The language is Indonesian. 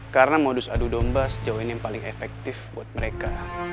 karena modus adu domba sejauh ini yang paling efektif buat mereka